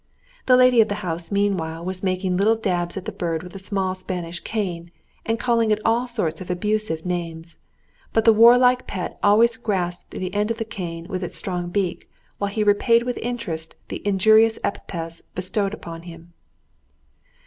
The lady of the house meanwhile was making little dabs at the bird with a small Spanish cane, and calling it all sorts of abusive names; but the warlike pet always grasped the end of the cane with its strong beak, while he repaid with interest the injurious epithets bestowed upon him.